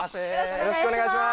よろしくお願いします